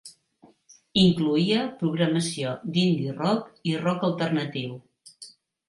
Incloïa programació d'indie rock i rock alternatiu.